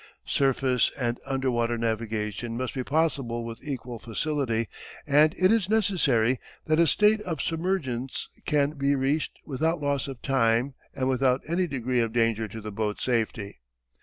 Surface and underwater navigation must be possible with equal facility and it is necessary that a state of submergence can be reached without loss of time and without any degree of danger to the boat's safety.